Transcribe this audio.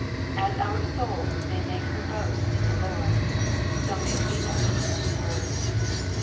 As our soul may make her boast in the Lord, so may we boast in his word.